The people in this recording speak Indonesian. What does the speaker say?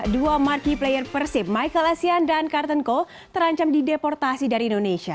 dua multiplayer persib michael asien dan karten kohl terancam di deportasi dari indonesia